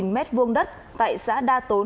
ba m hai đất tại xã đa tốn